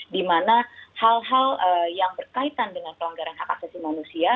di mana hal hal yang berkaitan dengan pelanggaran hak asasi manusia